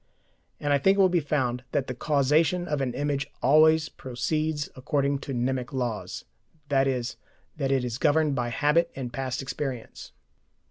And I think it will be found that the causation of an image always proceeds according to mnemic laws, i.e. that it is governed by habit and past experience.